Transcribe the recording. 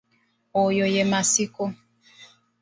Oyo ye Masiiko.